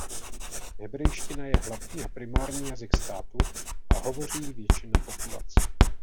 Hebrejština je hlavní a primární jazyk státu a hovoří jí většina populace.